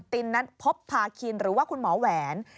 ตินนั้นพบพาคินหรือว่าคุณหมอแหวน